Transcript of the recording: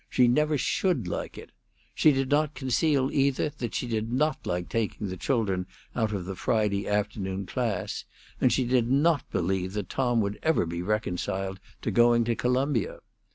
She never should like it. She did not conceal, either, that she did not like taking the children out of the Friday afternoon class; and she did not believe that Tom would ever be reconciled to going to Columbia.